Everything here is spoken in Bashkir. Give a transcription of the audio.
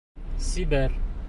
Сибәр.